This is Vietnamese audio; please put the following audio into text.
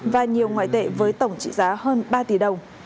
và nhiều ngoại tệ với tổng trị giá hơn ba tỷ đồng